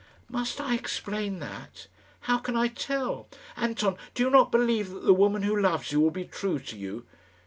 "Must I explain that? How can I tell? Anton, do you not believe that the woman who loves you will be true to you?"